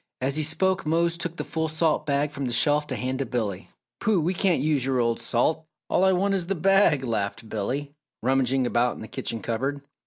As he spoke Mose took the full salt bag from the shelf to hand to Billy. "Pooh! We can't use your old salt all I want is the bag!" laughed Billy, rummaging about in the kitchen cupboard.